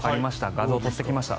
画像を撮ってきました。